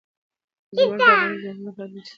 زمرد د افغان ځوانانو لپاره دلچسپي لري.